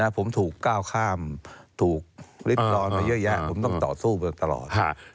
ผมถูกก้าวข้ามถูกฤทธรณ์ไปเยอะแยะผมต้องต่อสู้ไปตลอด